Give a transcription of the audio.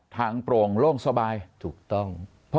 โปร่งโล่งสบายถูกต้อง